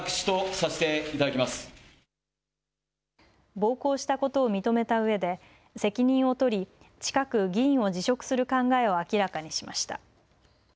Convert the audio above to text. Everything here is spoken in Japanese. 暴行したことを認めたうえで責任を取り、近く議員を辞職する考えを明らかにしました。